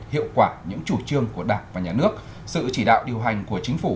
hiệu quả những chủ trương của đảng và nhà nước sự chỉ đạo điều hành của chính phủ